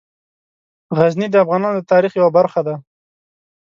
غزني د افغانانو د تاریخ یوه برخه ده.